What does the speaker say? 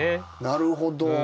なるほど。